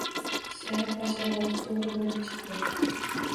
Shayx bashorati toʻgʻri boʻlib chiqdi